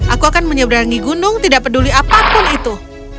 aku akan menyeberangi gunung tidak peduli apapun itu